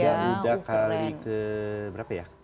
ya udah kali ke berapa ya